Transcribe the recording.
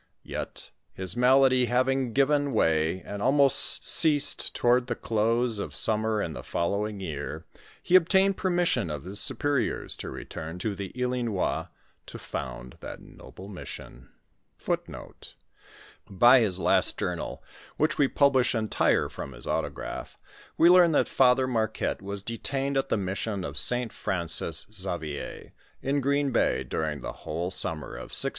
Yet, his malady having given way and almost ceased toward the close of summer in the fol lowing year, he obtained permission of his superiors to return to the Ilinois to found that noble mission.^ * By his last journal, which we publish entire from his autograph, we learn that Father Marquette was detained at the mission of St Francis Xavier, in Oreen bay, during the whole summer of 1674.